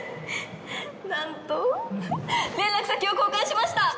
なんと連絡先を交換しました！